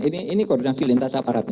ini koordinasi lintas aparat